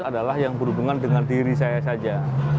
adalah yang berhubungan dengan diri saya saja